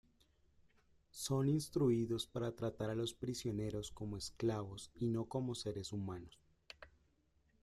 Son instruidos para tratar a los prisioneros como esclavos y no como seres humanos.